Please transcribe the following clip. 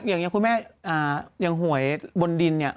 อย่างนี้คุณแม่อย่างหวยบนดินเนี่ย